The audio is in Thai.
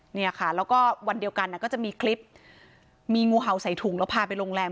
เนี่ยค่ะแล้วก็วันเดียวกันก็จะมีคลิปมีงูเห่าใส่ถุงแล้วพาไปโรงแรม